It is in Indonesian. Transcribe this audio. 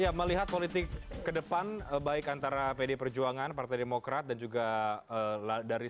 ia melihat politik kedepan baik antara pd perjuangan partai demokrat dan juga ladari